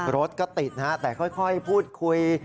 รถก็ติดนะฮะแต่ค่อยพูดคุย